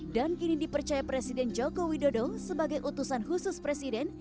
dan kini dipercaya presiden joko widodo sebagai utusan khusus presiden